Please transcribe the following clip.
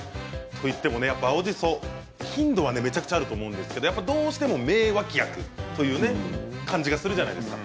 といっても青じそ頻度はめちゃくちゃあると思うんですけれど名脇役という感じがするじゃないですか。